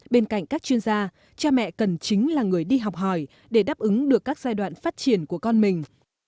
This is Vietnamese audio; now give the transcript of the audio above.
bên cạnh các chuyên gia cha mẹ cần chính là người đi học hỏi để đáp ứng được các giai đoạn phát triển của con mình